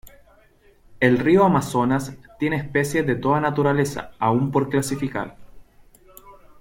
El río Amazonas, tiene especies de toda naturaleza aún por clasificar.